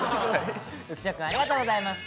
浮所くんありがとうございました。